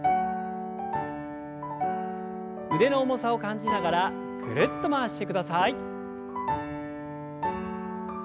腕の重さを感じながらぐるっと回してください。